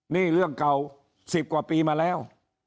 นี่เรื่องเก่า๑๐กว่าปีมาแล้ว